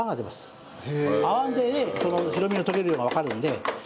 泡で白身が溶けるのがわかるので。